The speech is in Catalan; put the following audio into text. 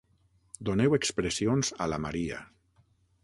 Doneu expressions a la Maria.